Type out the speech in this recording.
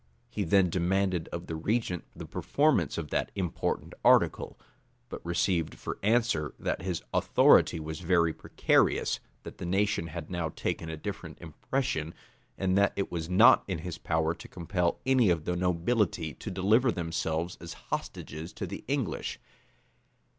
He then demanded of the regent the performance of that important article; but received for answer, that his authority was very precarious, that the nation had now taken a different impression, and that it was not in his power to compel any of the nobility to deliver themselves as hostages to the English.